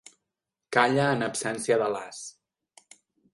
Calla en absència de l'as.